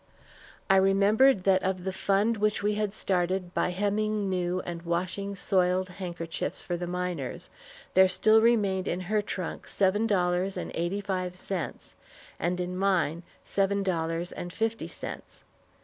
I remembered that of the fund which we had started by hemming new, and washing soiled handkerchiefs for the miners, there still remained in her trunk seven dollars and eighty five cents, and in mine seven dollars and fifty cents.